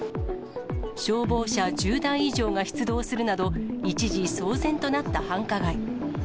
消防車１０台以上が出動するなど、一時騒然となった繁華街。